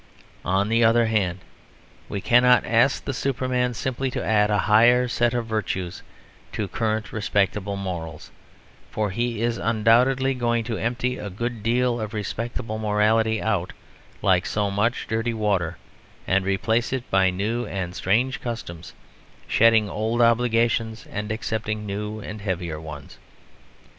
On the other hand, we cannot ask the Superman simply to add a higher set of virtues to current respectable morals; for he is undoubtedly going to empty a good deal of respectable morality out like so much dirty water, and replace it by new and strange customs, shedding old obligations and accepting new and heavier ones.